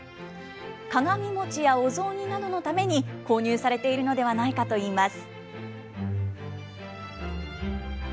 鏡餅やお雑煮などのために購入されているのではないかといいます。